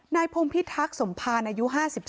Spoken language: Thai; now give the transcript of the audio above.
พงพิทักษ์สมภารอายุ๕๒